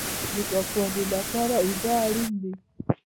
د پاکوالي لپاره اوبه اړین دي